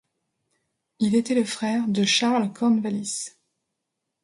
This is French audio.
Il était le frère de Charles Cornwallis.